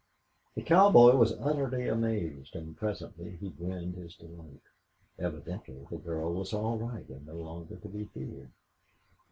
The cowboy was utterly amazed, and presently he grinned his delight. Evidently the girl was all right and no longer to be feared.